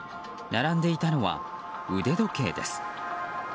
並んでいたのは腕時計です。